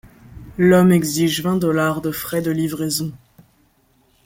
L'homme exige vingt dollars de frais de livraison.